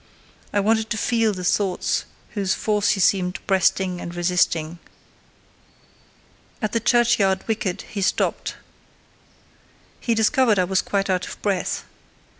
I wanted to feel the thoughts whose force he seemed breasting and resisting. At the churchyard wicket he stopped: he discovered I was quite out of breath.